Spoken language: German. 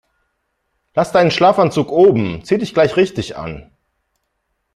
Lass deinen Schlafanzug oben, zieh dich gleich richtig an.